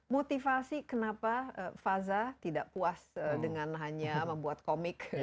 motivasi kenapa faza tidak puas dengan hanya membuat komik